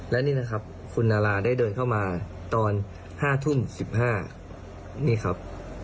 และนี่นะครับคุณนาราได้เดินเข้ามาตอน๕ทุ่ม๑๕นี่ครับ